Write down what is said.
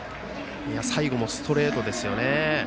最後もストレートですね。